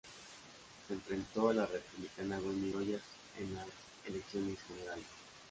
Se enfrentó a la republicana Wendy Rogers en las elecciones generales.